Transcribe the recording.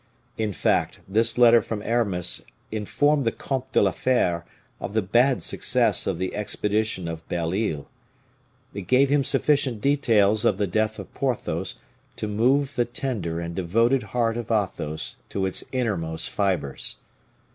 In fact, this letter from Aramis informed the Comte de la Fere of the bad success of the expedition of Belle Isle. It gave him sufficient details of the death of Porthos to move the tender and devoted heart of Athos to its innermost fibers.